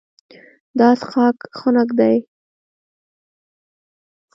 دا څښاک خنک دی.